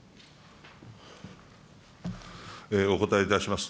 お答えいたします。